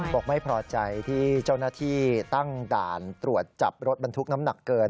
บอกไม่พอใจที่เจ้าหน้าที่ตั้งด่านตรวจจับรถบรรทุกน้ำหนักเกิน